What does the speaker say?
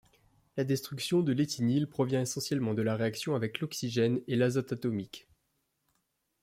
La destruction de l'éthynyle provient essentiellement de la réaction avec l'oxygène et l'azote atomique.